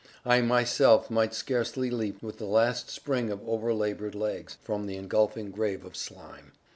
I myself might scarcely leap, with the last spring of o'erlabored legs, from the engulfing grave of slime.